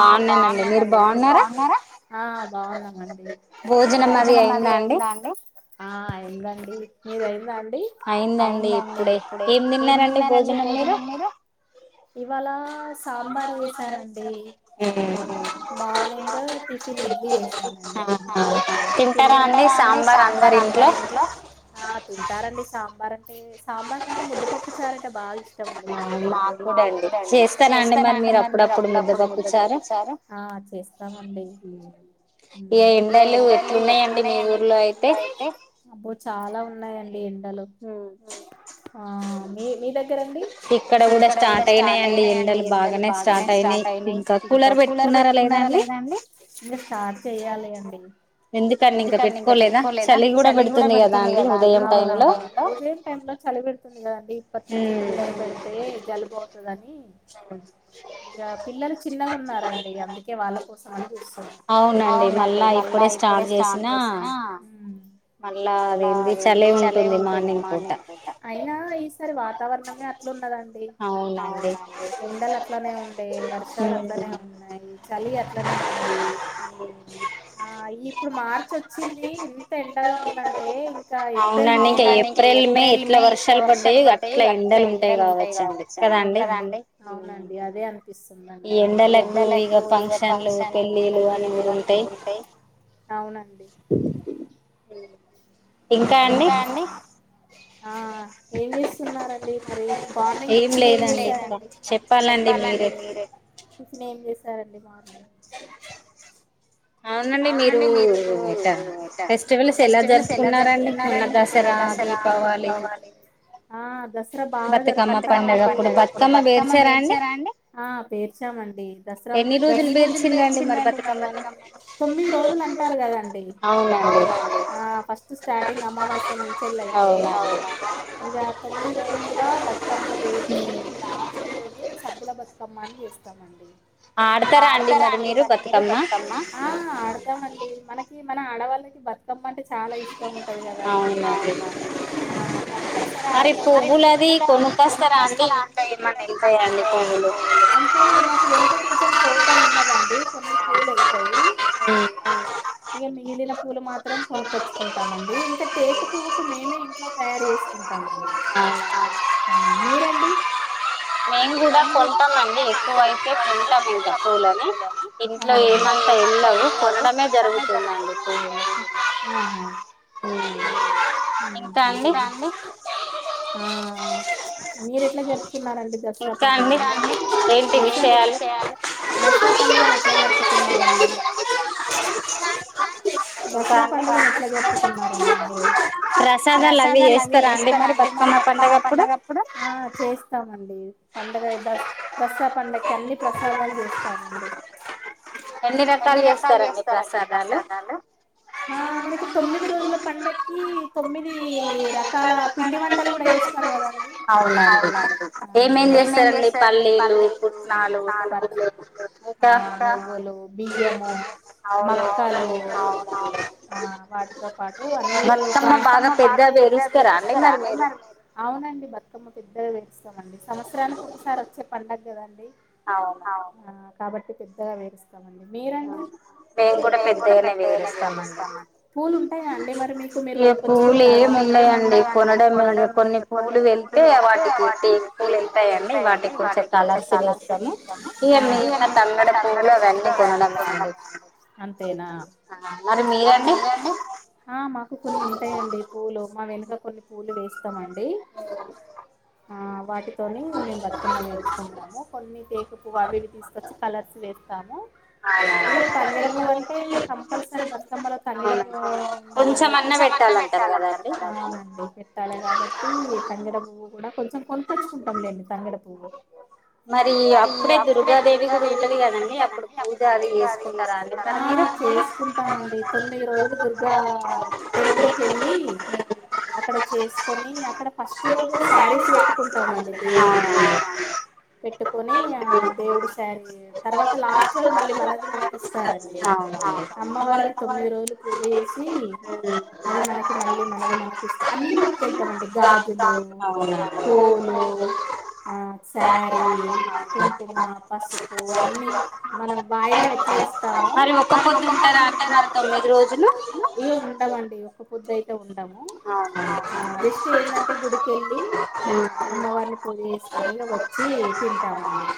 ఆ బాగున్నానండి మీరు బాగున్నారా భోజనం అది అయిందా అండి. ఆ అయిదండి. మీదయిందా అండి? అయిందండి ఇప్పుడే, ఏం తిన్నారండి భోజనం మీరు? ఇవాళా సాంబార్ చేసానండి. మార్నింగ్ టిఫిన్ ఇడ్లి చేసానండి. ఆ తింటారండి సాంబార్ అంటే సాంబార్ కంటే ముద్దపప్పు చారంటే బాగా ఇ ష్టం అండి మా ఇంట్లో. ఆ చేస్తా. మండి. అబ్బో చాలా ఉన్నాయండి ఎం హలో మీ మీ దగ్గరండి. ఇంగా స్టార్ట్ చెయ్యాలి అండి. అవునవును ఉదయం టైంలో చలి పెడుతుంది కదా ండి ఇగా ఇప్పట్నుంచే కూలరు పెడితే జలుబవుతదని ఇగా పిల్లలు చిన్నగా ఉన్నారండి, అందుకే వాళ్ళ కోసం అని చూస్తున్నా. అయినా ఈసారి వాతావరణమే అట్లున్నదండి. అవునండి ఎండలు అట్లానే ఉండే, వర్షాలు అట్లనే ఉన్నాయి. చలి అట్లనే ఉంది. ఆ ఇప్పుడు మార్చ్ వచ్చింది ఎంత ఎండగా ఉందంటే ఇంకా ఏప్రిల్, మే అవునండి అదే అని పిస్తుందండి. నాక్కూడా అవునండి. ఇంకా అండి. ఏం చేస్తున్నారు అండి మరి మార్నింగ్ టిఫిన్ ఏం చేసారండి. చేశారండి మార్నింగ్. అవునండి మీరు ఇ ఫెస్టివల్స్ ఎలా జరుపుకున్నారండి పున్న దసరా దీపావళి ఆ దసరా బాగా దొరక కమ్మ పడు అప్పుడు బతుమ్మ పేర్చారా అండి ఆ పేర్చామండి దసరా వెలీ రోజులు పేల్చిందండి మన బతకమ్ంలో తొమ్మిది రోజులు అంటారు కదండి ఫస్ట్ స్టార్టింగ్ అమవాస మంచిళ అయితే ఇక తొమ్మిది రోజులు కూడా బతుకమ్మ వేసి లాస్ట్ రోజు సద్దుల బతుకమ్మ అని ఇస్తామండి ఆడతారా అండి మరి మీరు బతుకమ్మ ఆ ఆడతామండి మనకి మ ఆడవాళ్ళకి బ అంటే చాలా ఇష్టం ఉంటది కదండి మా కంపల్సరీ ఆడతా మరి పువ్వులు అది కొనుక్కస్తతాడి పువలు అంటే ఏ వెనుక కొంచెం చూట ఉన్నాదండి కొన్ని పు్లు వెళ్తాయి ఉమ్ నీలిన పూలు మాత్రం కొనుపొచ్చుకుంటామండి ఇంటకా టేక పువ్వుకు మేమే ఇంట్లో తయారు చేసుకుంటాము మ మీరండి మేము కూడా కొంటాంండి ఎక్కువ అైతే తంటాము క్కువలోనే ఇంట్లో ఏమన్నా ఏమంటా వెళవు కొనమే జరుగుతుందింతా అండి మీరు ఎట్లా జరుపుకున్న డు విషయాలు బ దసరా పండుగను ఎట్లా జరుపుకున్నారండి మీరు ప్రసాదాలు అవి చేస్తారా అండి మరి బతుకమ్మ పండుగప్పుడు చేస్తామండి పండగ ద దసా పండకి అన్ని ప్రసాదాలు చేస్తామండి ఎన్ని రకాలు చేస్తారండి ప్రసాదాలు ఆ మనకి తొమ్మిది రోజుల పండకి తొమ్మిది రకాల పిండి వంటలు కూడా వెతారు కదండి అవుం ఏమేం చేస్తారండి పల్లీలు పుట్నాలు నువ్వులు ఇంకా బియ్యము మక్కలు ఆ వాటితో పాటు అన్నమ్మ బాగా పెద్దలుస్తారుా అవునండి బమ్మ పెధగా స్మ్ అండీ సంవత్సరానికి ఒకసారి వచ్చే పడుగ కదండి కాబట్టి పెద్దగా వేస్తంది మీరండి పెేన్ కూడా పెద్దనే వేడిస్తామండి పూలు ఉంటాయాండి మరి మీకు మీరు కొచ్చ పూలు ఏమి ఉండయంండి కొనడం కొన్ని పూలు వెళ్తే వాటికి పే పూలు వెళ్తాయండి వాటికి గురి కలర్స్స్తాము ఇక మ తడం ఇయన్నీ కొనడం అండి మరి మీరండి కొన్ని ఉంటాయి అండి పూలు మా వెనుక కొన్ని పూలు లు వేస్తమండి అవు ఆ వాటి తొని మేము బతుకమ్మలు తెచ్చుకుంటాము కొన్ని తేక పువ్వు అవి ఇవి తీసుకొచ్చి కలర్స్ వే కాము అదే తంగడ పువ్ అంటె కంపల్సరీ బత్తమ్మలో తంగడ పువ్వు ఉండాలి కదా కొంచం అన్న పెట్టాలంటారు కదా అవునండి పెట్టాలి కాబట్టి తంగడ పువ్ కూడా కొంచెం కొనుక్కొచ్చుకుంటాంలేండి తంగడ పువ్వు మరి అప్పుడే దుర్గాదేవి కూడా ఉంటది కదండి కొని అప్పుడు పూజ అది చేసుకుంటామండి ఆ చేసుకుంటామండి తొమ్మిది రోజులు దుర్గా టెంపుల్కి వెళ్ళి అక్కడ చేసుకొని అక్కడ ఫస్ట్ రోజు శారీస్ పెట్టుకుంటాంమండి అ [unintelligible] పెట్టుకొని ఆ దేవుడి సారి తర్వాత లాస్ట్ లో మల్లి మనది మనకి ఇస్త ఇస్తారండి అమ్మవారికి తొమ్మిది రోజులు పూజ చేసి అది మనకి మళ్ళీ మనది మనకి ఇస్తారండి అన్ని పట్టుకెళ్తామండి గాజులు పూలు ఆ సార్ హు చింకు మా పశ ఓ అన్నీ మన బైరమ్ ఎ చేస్తాము మరి ఒక్కపోద్దు ఉంటార అండి మరి తొమ్మిది రోజులు ఏం ఉండదండి పొద్దయితె ఉంది ఉంటాము ఆ జస్ట్ ఏంటంటే గుడి కెళ్లి హు పడి చేసుకొని వచ్చి తింటామండి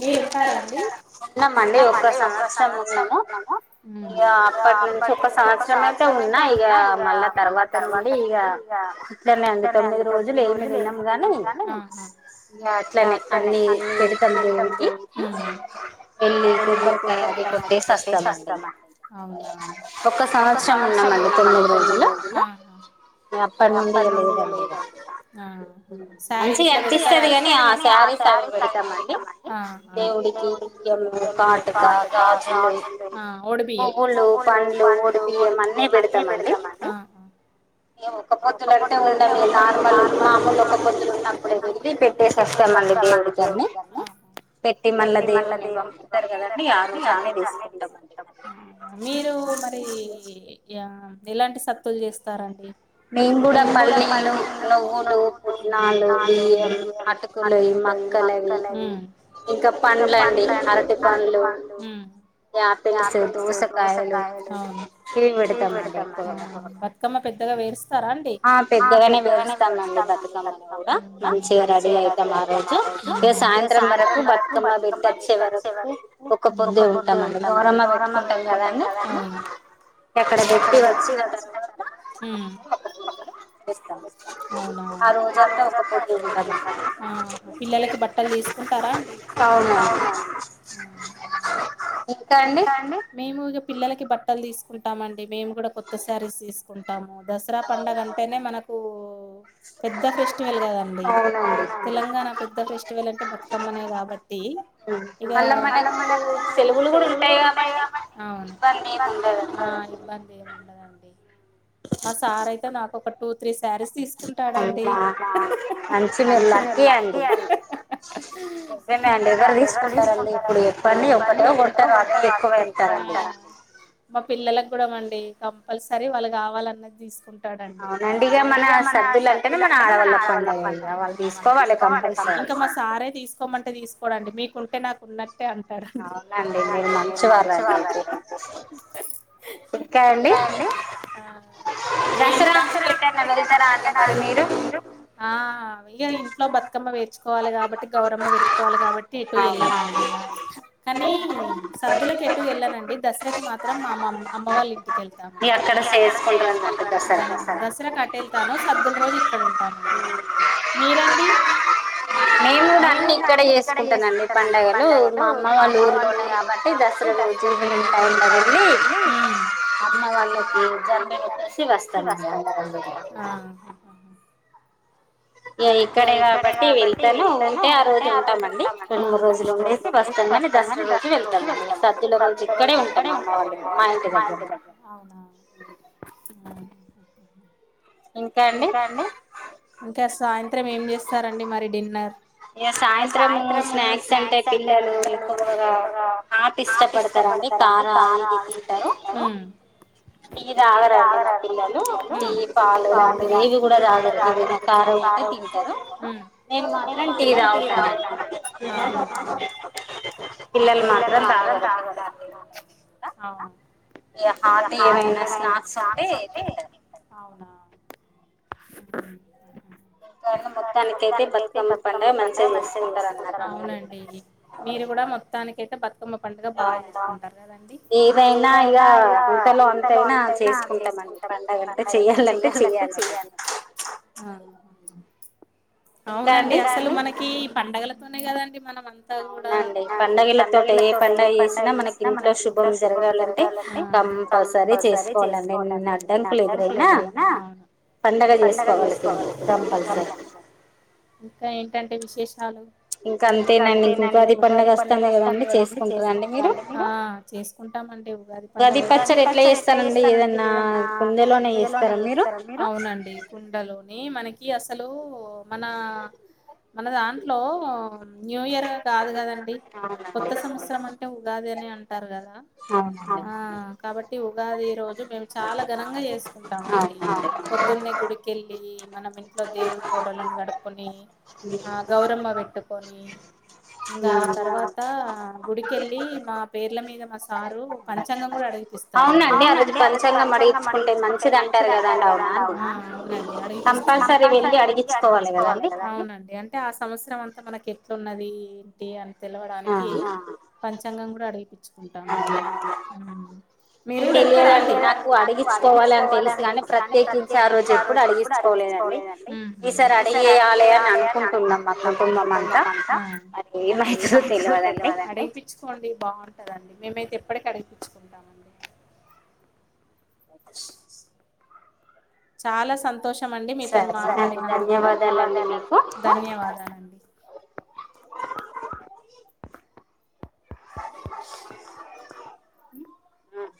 మీరు ఉంటారాడి ఉ ఉన్నామండి ఒక్క సంవత్సరం ఉన్నాము ఆ అప్పట్ నుంచి ఒక సంవత్సరం అయితె ఉన్నా ఇగ మళ్ళా తర్వాత నుండి ఇగ ఉంటనండి తొమ్మిది రోజులు ఏమి తినము గాని ఇంకా అట్లనే అన్ని పెడతంది దేవునికి వెళ్లి కొబ్బరికాయ అది కొట్టేసి వస్తామండి ఇక అవునా ఒక్క సంవత్సరం ఉన్నామండి తొమ్మిది రోజుల్లో అప్పటి నుండి ఇగ లేదండి ఇగ ఆ ఆ సారి గిట్ల పెడతా మంచిగ వస్తది గాని ఆ శారీస్ అవి పెడతామండి దేవుడి దేవుడికి [unintelligible] కాటుక గాజులు, ఒడి బియ్యం, పువ్వులు, పండ్లు ఒడి బియ్యం అన్నీ పెడతం అండి. ఒక్క పొద్దులంటే ఉండము ఇగ నార్మల్ మామూలు ఒక పొద్దులున్న ది పెట్టేసి వస్తామండి దేవుడికి అన్ని. పెట్టి పెట్టి మళ్ళ దేవున్ని పంపుతరు కదండి, ఆ రోజు అన్నీ తీసుకుంటాం. మీరు మరి యా ఎలాంటి సత్తులు చేస్తారండి, మేము గూడ పల్లీలు, నువ్వులు, పుట్నాలు అటుకులయి, మక్కలవి ఇంకా పండ్లు అండి, అరటి పండ్లు, యాపిల్స్, దోసకాయలు, ఇవి పెడతమండి ఎక్కువగా [unintelligible] ఆ పెద్దగానే పేరుస్తమండి బతుకమ్మను గూడ మంచిగా రెడీ అయితాం ఆ రోజు ఇగ సాయంత్రం వరకు బతు బతుకమ్మ పెట్టచ్చే వరకు మ్ ఒక్కపొద్దు ఉంటాం అండి గౌరమ్మ పెట్టుకుంటాం కదండి మ్ అక్కడ పెట్టి వచ్చిన తర్వాత మ్ అవున ఆ రోజంతా ఒక్కపొద్దు ఉంటామండి ఆహా పిల్లలకి బట్టలు తీసుకుంటారా అండి అవును అండి మ్ ఇంకా అండి మేము ఇగ పిల్లలకి బట్టల్ తీసుకుంటామం మేము కూడా కొత్త శారీస్ తీసుకుంటాము దసరా పండుగ అంటేనే మనకు పెద్ద ఫెస్టివల్ కదండి తెలంగాణ పెద్ద ఫెస్టివల్ అంటే బతుకమ్మనే కాబట్ దీ ఇగా మ అవును ఇబ్బందేముండదండీ మా సార్ ఐతే నాక్ ఒక టూ, త్రీ స్ సారీస్ తీసుకుంటాడండి హా హా హా ఆ మా పిల్లలకి గూడ అండి కంపల్సరీ వాళ్ళు కావాలన్నది తీసుకుం టడండి ఇంకా మా సారే తీసుకోమంటే తీసు మీ కుంటే నాకు ఉన్నట్ టే అంటారండి హా హా హా ఆ ఆ ఇగ ఇంట్లో బతుకమ్మ పేర్చుకోవాలి కాబట్టి గౌరమ్మ పెట్టుకో వాలె కాబట్టి ఎటు ఎళ్ళమండి, కనీ సద్దులకి ఎటు ఎల్లనండి దసరా మాత్రం మామమ్ అమ్మ వాళ్లిం టికి వెళ్తామండ దసరకు అటేళ్తాను సద్దుల రోజు ఇక్కడ ఉంటామండి మీరండి మేం గూడ అన్నీ ఇక్కడే చేసుకుంటనండి పండగలు మా అమ్మ వాళ్ళు ఊర్లోనే కాబట్టి దసర రోజు ఈవెనింగ్ టైంలో వెళ్ళి అమ్మ వాళ్ళకి జమ్మి నిచ్చేసి వస్తనండి అందరు కలసి. ఇక్కడే కాబట్టి వెళ్తాను ఉంటే ఆ రోజు ఉంటాం అండి రండు మూడు రోజులు ఉండేసి వస్తాం కాని దసరా రోజు వెళ్తాం దద్దుల రోజు ఇక్కడే ఉంటాం అమ్మ వాళ్ళ మా ఇంటి దగ్గర అవునా ఆ ఇంకా సాయంత్రం ఏం చేస్తారండి మరి డిన్నర్ ఇగ సాయంత్రము స్నాక్స్ అంటే పిల్లలు ఎక్కువగా కాపి ఇష్టపడతారండి కారాల ఇవి తింటరు. టీ తాగరండి మా పిల్లలు టీ పాలు పాలు అన్ని కూడ తాగచ్చండి ఏమన్న కారం ఉంటే తింటరు నేను మాత్రం టీ తాగుతానండి పిల్లలు మాత్రం తాగరు ఇ హాట్ ఏమైనా స్నాక్స్ ఉంటే తింటారు మొత్తానికైతే బతుకమ్మ పండుగ మంచిగా చేసుకుంటారు ఏదైనా ఇగ ఇంతలో వంత అయినా చేసుకుంటామ పండగ అయితే చెయాలండి చేయాలి హా హా అవునండి అసలు మనకి పండగలతోనే కదండి అవును అండి పండగల తోటి ఏ పండగ చేసినా మనకి ఇంట్లో శుభం జరగాలంటే కంపల్సరీ చేసుకోవాలండి ఎన్నడ్డంకులు ఎదురైనా పండగ చేసుకోవల్సింది కంపల్సరీ ఏంటంటే విశేషాలు ఇంక అంతేనా ఇంకా ఉగాది పండుగ వస్తాంది కదండి చేసుకుంటారండి ఉగాది పచ్చడి ఎట్లా చేస్తాండి ఏదన్నా పండగలోనే చేస్తార అవునండి కుండలోని మనకి అసలు మనా మన దాంట్లో న్యూ ఇయర్ గా కాదు కదండి కొత్త సంవత్సరం అంటే ఉగాదనే అం తార్ కదా అ ఆ కాబట్టి ఉగాది రోజు మేము చాలా ఘనంగా చేసుకుంటామండి పోదున్నే గుడికెళ్లి మనం ఇంట్లో దేవుడి ఫొటోలన్నీ కడుక్కొని ఆ గౌరమ్మ పెట్టుకొని ఇంగ ఆ తర్వాతా గుడికెళ్ళి మా పేర్ల మీద మా సారు పంచాంగం గూడా అడు ఇస్తారండి ఉంటారకదండి అవునా కంపల్సరీ వెళ్ళి అడిగిచికోవాలి కదా సంవత్సరం అంతా మనకి ఎట్లున్నది ఏంటి అని తెలవడానికి పంచాంగం గూడా అడిగిపిచ్చుకుంటామండి తెలియదండీ నాకు అడిగించ్చుకోవాలి అని తెలుసు గాని ఇట్లానే ప్రత్యేకించి ఆ రోజు ఎప్పుడడు అడిగించుకోలేదండి ఈసారి అడిగేయాలి అని అనుకుంటున్నాం మా కుటుంబం అంతా అది ఏమైతుందో తెల్వదండి కదండి మేమైతే ఎప్పటికి కడిపించుకుంటాము ఓ చాలా సంతోషం అండి మీతోని మాట్లాడినందుకు ధన్యవాదాలండి మ్మ్